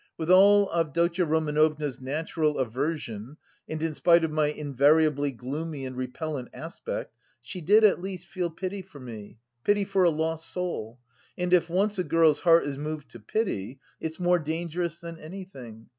With all Avdotya Romanovna's natural aversion and in spite of my invariably gloomy and repellent aspect she did at least feel pity for me, pity for a lost soul. And if once a girl's heart is moved to pity, it's more dangerous than anything.